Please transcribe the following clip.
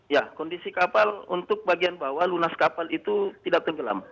ya kondisi kapal untuk bagian bawah lunas kapal itu tidak tenggelam